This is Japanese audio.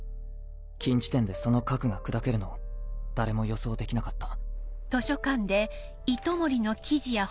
近地点でその核が砕けるのを誰も予想できなかった。